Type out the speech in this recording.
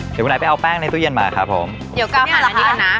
เดี๋ยววันไหนไปเอาแป้งในตู้เย็นมาครับผมเดี๋ยวก็หั่นแบบนี้กันนะ